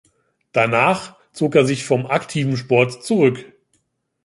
Danach zog er sich vom aktiven Sport zurück.